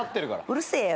うるせえよ。